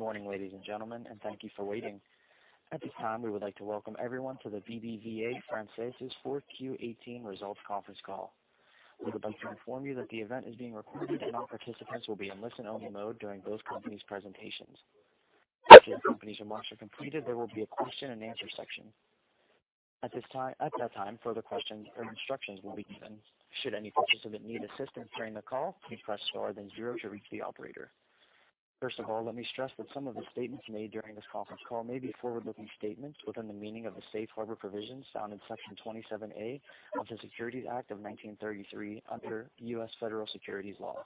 Good morning, ladies and gentlemen, and thank you for waiting. At this time, we would like to welcome everyone to the BBVA Argentina's fourth Q18 results conference call. We would like to inform you that the event is being recorded and all participants will be in listen-only mode during both companies' presentations. After the companies' remarks are completed, there will be a question and answer section. At that time, further questions or instructions will be given. Should any participant need assistance during the call, please press star then zero to reach the operator. First of all, let me stress that some of the statements made during this conference call may be forward-looking statements within the meaning of the Safe Harbor provisions found in Section 27A of the Securities Act of 1933 under U.S. Federal Securities Law.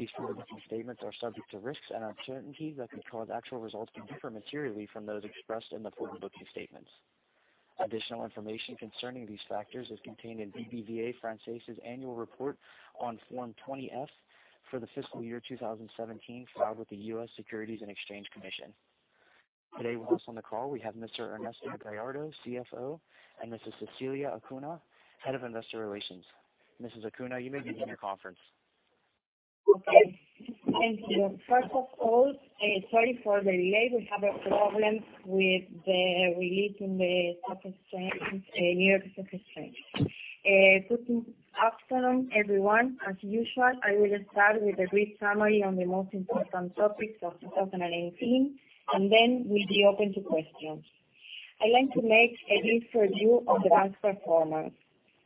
These forward-looking statements are subject to risks and uncertainties that could cause actual results to differ materially from those expressed in the forward-looking statements. Additional information concerning these factors is contained in BBVA Argentina's annual report on Form 20-F for the fiscal year 2017, filed with the U.S. Securities and Exchange Commission. Today, with us on the call, we have Mr. Ernesto Gallardo, CFO, and Mrs. Cecilia Acuña, Head of Investor Relations. Mrs. Acuña, you may begin your conference. Okay. Thank you. First of all, sorry for the delay. We have a problem with the release in the New York Stock Exchange. Good afternoon, everyone. As usual, I will start with a brief summary on the most important topics of 2018. Then we'll be open to questions. I'd like to make a brief review of the bank's performance.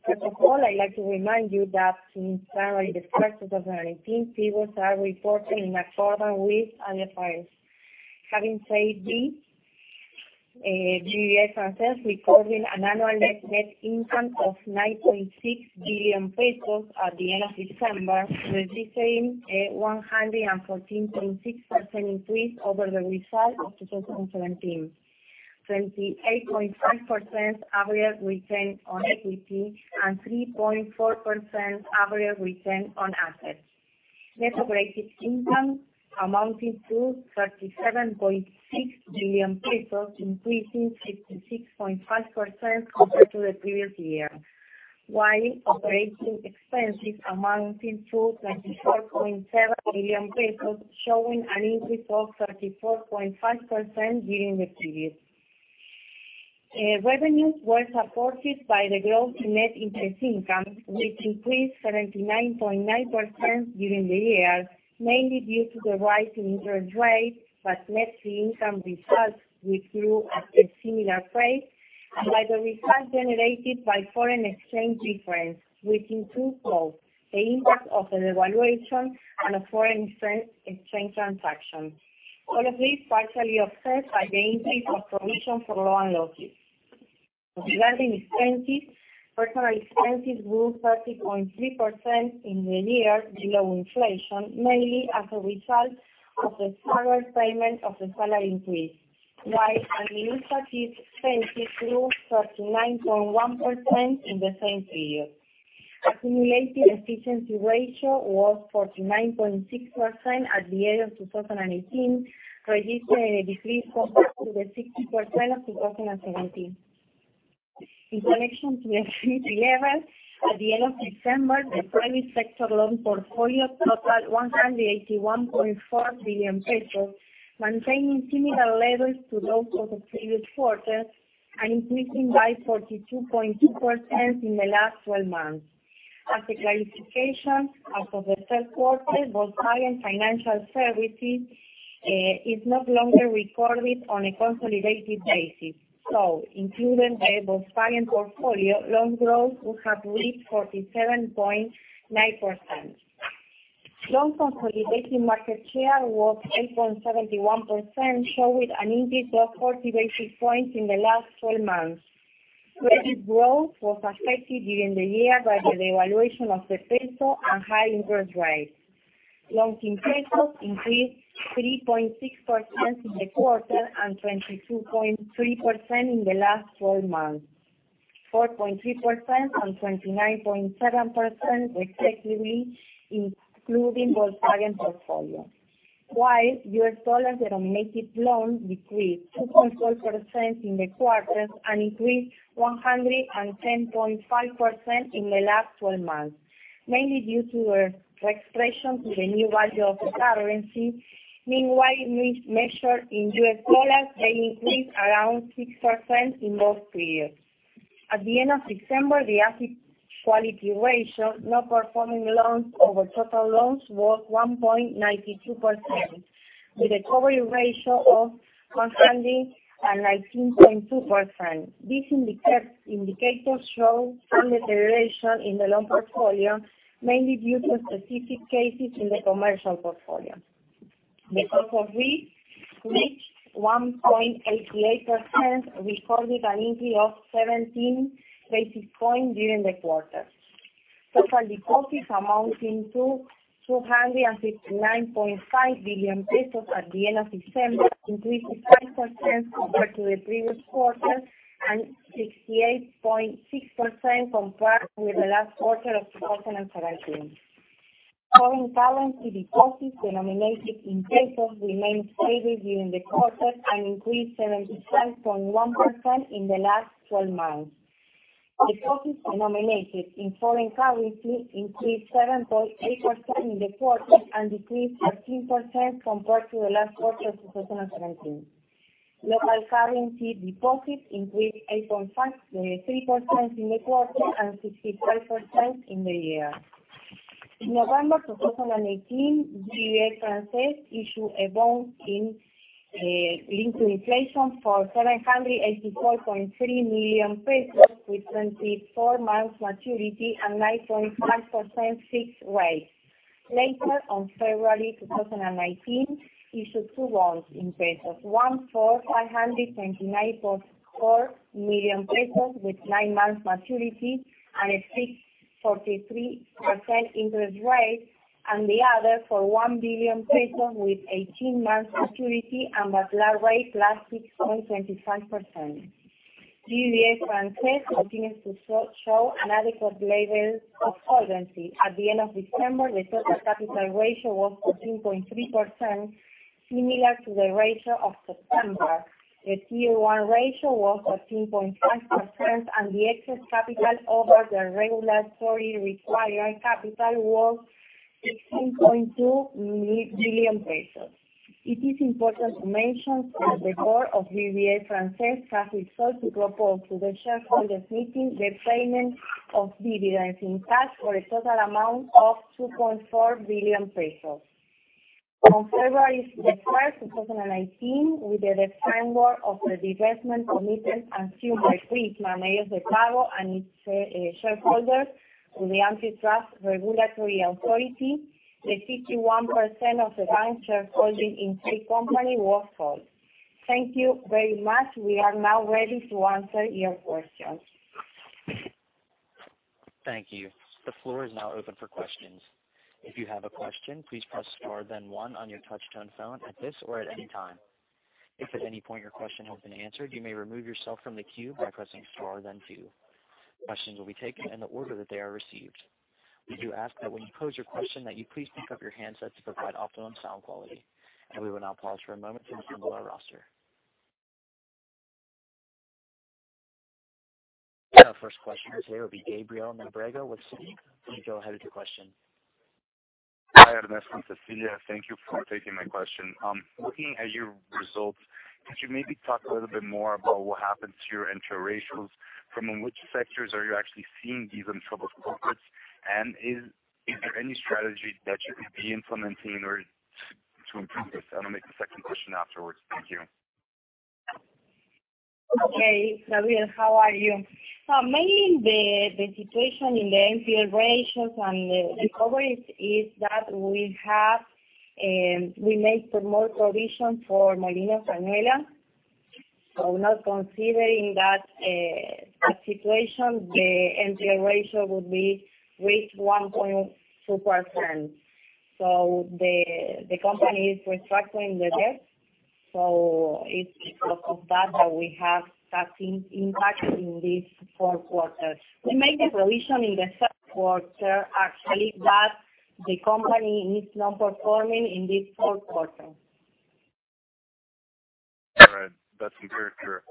First of all, I'd like to remind you that in summary, the first 2018 pivots are reported in accordance with other files. Having said this, BBVA Francés recorded an annual net income of 9.6 billion pesos at the end of December, registering a 114.6% increase over the result of 2017. 28.5% average return on equity and 3.4% average return on assets. Net operating income amounting to 37.6 billion pesos, increasing 56.5% compared to the previous year, while operating expenses amounting to 24.7 billion pesos, showing an increase of 34.5% during the period. Revenues were supported by the growth in net interest income, which increased 79.9% during the year, mainly due to the rise in interest rates. Net income results withdrew at a similar rate and by the results generated by foreign exchange difference, which include both the impact of the devaluation and foreign exchange transactions. All of this partially offset by the increase of provision for loan losses. Operating expenses, personal expenses grew 30.3% in the year below inflation, mainly as a result of the salary payment of the salary increase, while administrative expenses grew 39.1% in the same period. Accumulated efficiency ratio was 49.6% at the end of 2018, registering a decrease compared to the 60% of 2017. In connection with the entry level, at the end of December, the private sector loan portfolio totaled 181.4 billion pesos, maintaining similar levels to those of the previous quarter and increasing by 42.2% in the last 12 months. As a clarification, as of the third quarter, Volkswagen Financial Services is no longer recorded on a consolidated basis. Including the Volkswagen portfolio, loan growth would have reached 47.9%. Loan consolidating market share was 8.71%, showing an increase of 40 basis points in the last 12 months. Credit growth was affected during the year by the devaluation of the ARS and high interest rates. Loans in ARS increased 3.6% in the quarter and 22.3% in the last 12 months, 4.3% and 29.7%, respectively, including Volkswagen portfolio. While US dollar-denominated loans decreased 2.4% in the quarter and increased 110.5% in the last 12 months, mainly due to a reexpression to the new value of the currency. Meanwhile, measured in US dollars, they increased around 6% in both periods. At the end of December, the asset quality ratio, non-performing loans over total loans, was 1.92%, with a recovery ratio of 119.2%. These indicators show some deterioration in the loan portfolio, mainly due to specific cases in the commercial portfolio. The cost of risk reached 1.88%, recording an increase of 17 basis points during the quarter. Total deposits amounting to 259.5 billion pesos at the end of December, increased 5% compared to the previous quarter and 68.6% compared with the last quarter of 2017. Foreign currency deposits denominated in ARS remained stable during the quarter and increased 76.1% in the last 12 months. The deposits denominated in foreign currency increased 7.8% in the quarter and decreased 13% compared to the last quarter of 2017. Local currency deposits increased 8.3% in the quarter and 65% in the year. In November 2018, BBVA Francés issued a bond linked to inflation for 784.3 million pesos with 24 months maturity and 9.5% fixed rate. Later, on February 2019, issued two bonds in ARS, one for 529.4 million pesos with nine months maturity and a 6.3% interest rate, and the other for 1 billion pesos with 18 months maturity and a flat rate plus 6.25%. BBVA Francés continues to show an adequate level of solvency. At the end of December, the total capital ratio was 14.3%, similar to the ratio of September. The Tier 1 ratio was 14.5%, and the excess capital over the regulatory required capital was 16.2 billion. It is important to mention that the board of BBVA Francés has resolved to propose to the shareholders meeting the payment of dividends in cash for a total amount of 2.4 billion pesos. On February the 1st, 2019, with the framework of the divestment committed and sealed between Manejo del Pago and its shareholders with the Antitrust Regulatory Authority, the 51% of the bank's shareholding in said company was sold. Thank you very much. We are now ready to answer your questions. Thank you. The floor is now open for questions. If you have a question, please press star then one on your touch-tone phone at this or at any time. If at any point your question has been answered, you may remove yourself from the queue by pressing star then two. Questions will be taken in the order that they are received. We do ask that when you pose your question, that you please pick up your handset to provide optimum sound quality. We will now pause for a moment to review our roster. Our first question today will be Gabriel Nobrega with Citi. Please go ahead with your question. Hi, Ernesto and Cecilia. Thank you for taking my question. Looking at your results, could you maybe talk a little bit more about what happened to your NPL ratios? From which sectors are you actually seeing these troubled corporates, and is there any strategy that you could be implementing to improve this? I'll make the second question afterwards. Thank you. Okay, Gabriel. How are you? Mainly the situation in the NPL ratios and the coverage is that we made more provision for Molino Cañuelas. Not considering that situation, the NPL ratio would reach 1.2%. The company is restructuring the debt, so it's because of that we have that impact in this fourth quarter. We made the provision in the third quarter, actually, that the company is not performing in this fourth quarter. All right. That's very clear.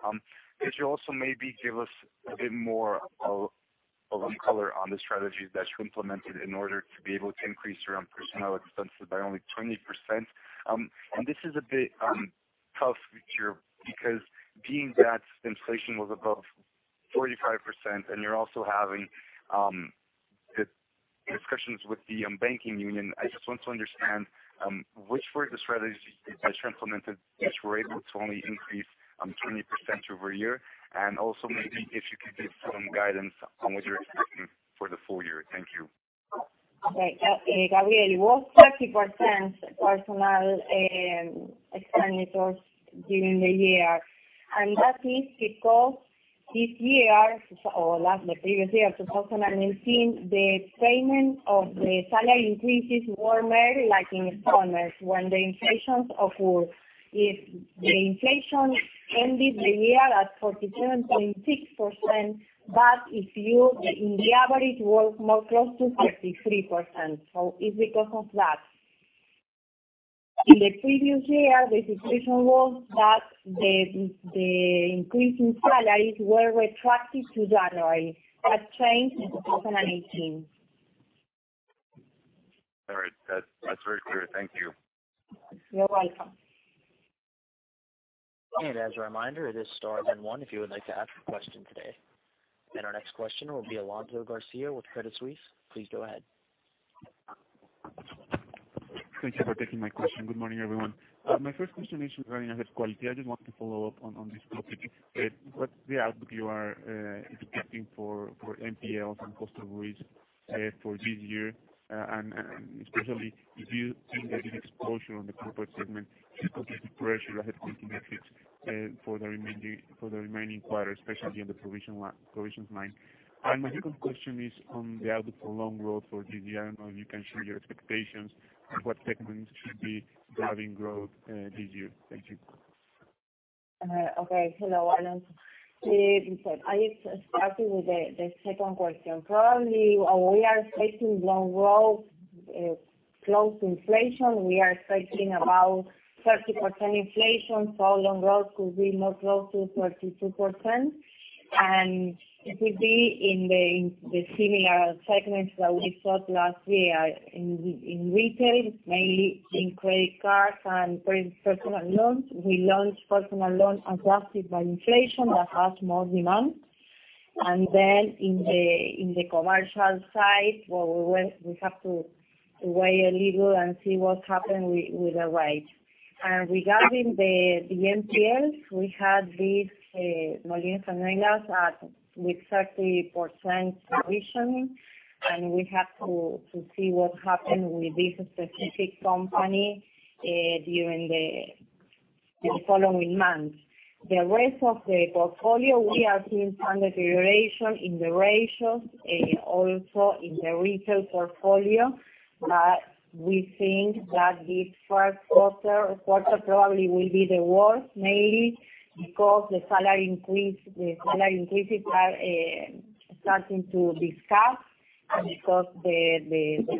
Could you also maybe give us a bit more of color on the strategy that you implemented in order to be able to increase your personnel expenses by only 20%? This is a bit tough because being that inflation was above 45% and you're also having discussions with the banking union, I just want to understand which were the strategies that you implemented, which were able to only increase 20% over year, and also maybe if you could give some guidance on what you're expecting for the full year. Thank you. Right. Gabriel, it was 30% personnel expenditures during the year. That is because this year, or the previous year, 2019, the payment of the salary increases were made like in advance, when the inflation occurred. If the inflation ended the year at 47.6%, that if the average was more close to 53%. It's because of that. In the previous year, the situation was that the increase in salaries were retroactive to January. That changed in 2018. All right. That's very clear. Thank you. You're welcome. As a reminder, it is star then one if you would like to ask a question today. Our next question will be Alonso Garcia with Credit Suisse. Please go ahead. Thank you for taking my question. Good morning, everyone. My first question is regarding asset quality. I just want to follow up on this topic. What's the outlook you are expecting for NPLs and cost of risk for this year? Especially if you think that this exposure on the corporate segment could put pressure on asset quality metrics for the remaining quarter, especially on the provisions line. My second question is on the outlook for loan growth for this year. I don't know if you can share your expectations, what segments should be driving growth this year. Thank you. Okay. Hello, Alonso. I start with the second question. Probably, we are expecting loan growth close to inflation. We are expecting about 30% inflation, so loan growth could be close to 32%. It will be in the similar segments that we saw last year in retail, mainly in credit cards and personal loans. We launched personal loans adjusted by inflation that have more demand. Then on the commercial side, we have to wait a little and see what happens with the rates. Regarding the NPLs, we had this Molinos Zanella at 30% provisioning, and we have to see what happens with this specific company during the following months. The rest of the portfolio, we are seeing some deterioration in the ratios, also in the retail portfolio, we think that this first quarter probably will be the worst, mainly because the salary increases are starting to be felt and because there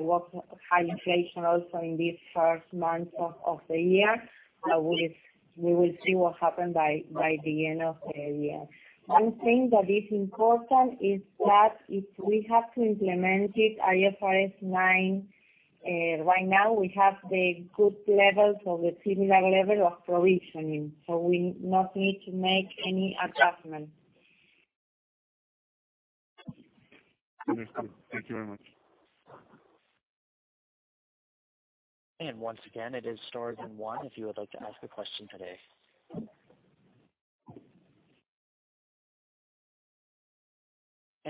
was high inflation also in this first month of the year. We will see what happens by the end of the year. One thing that is important is that if we have to implement it, IFRS 9, right now we have the good levels or the similar level of provisioning, so we do not need to make any adjustment. Understood. Thank you very much. Once again, it is star one if you would like to ask a question today.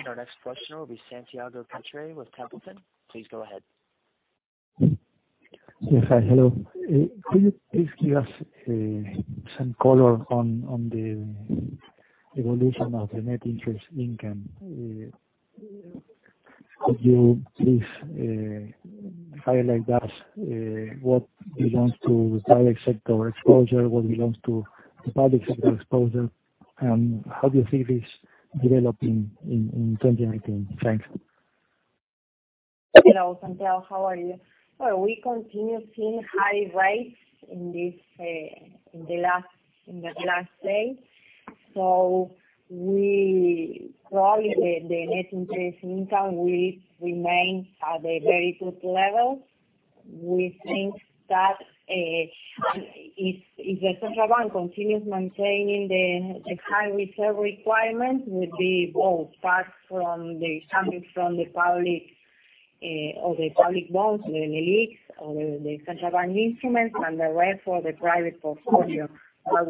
Our next question will be Santiago Cotter with Templeton. Please go ahead. Yes. Hi. Hello. Could you please give us some color on the evolution of the net interest income? Could you please highlight that, what belongs to private sector exposure, what belongs to the public sector exposure, and how do you see this developing in 2019? Thanks. Hello, Santiago. How are you? We continue seeing high rates in the last days. Probably the net interest income will remain at a very good level. We think that if the Central Bank continues maintaining the high reserve requirements, it will be both, part coming from the public bonds, the LELIQs, or the Central Bank instruments, and the rest from the private portfolio.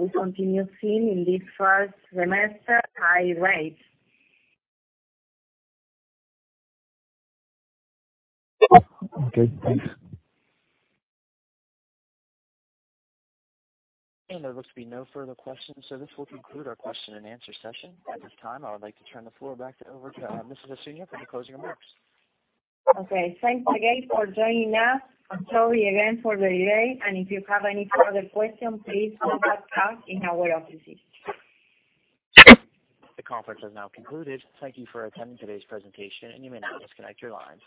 We continue seeing in this first semester, high rates. Okay, thanks. There looks to be no further questions. This will conclude our question and answer session. At this time, I would like to turn the floor back over to Mrs. Acuña for the closing remarks. Okay. Thanks again for joining us. Sorry again for the delay. If you have any further questions, please contact us in our offices. The conference has now concluded. Thank you for attending today's presentation. You may now disconnect your lines.